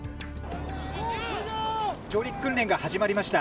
上陸訓練が始まりました。